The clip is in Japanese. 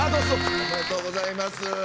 おめでとうございます。